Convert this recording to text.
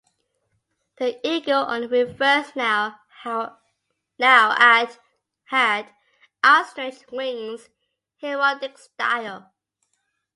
The eagle on the reverse now had outstretched wings, heraldic style.